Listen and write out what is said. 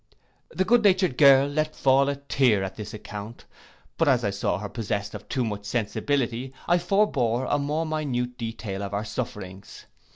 The good natured girl let fall a tear at this account; but as I saw her possessed of too much sensibility, I forbore a more minute detail of our sufferings.